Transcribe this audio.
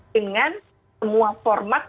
dengan semua format